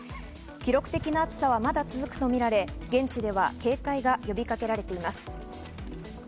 記録的な暑さはまだ続くとみられ、現地では警戒が呼びかけられています。